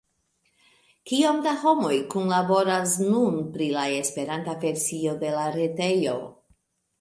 Kiom da homoj kunlaboras nun pri la Esperanta versio de la retejo?